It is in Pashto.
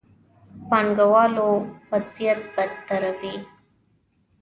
پانګه والو وضعيت بدتر وي.